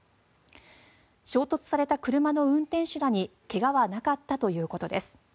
衝突された車の運転手らに怪我はなかったということです。